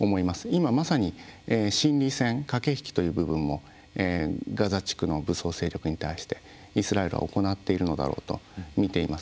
今まさに心理戦、駆け引きという部分もガザ地区の武装勢力に対してイスラエルは行っているのだろうと見ています。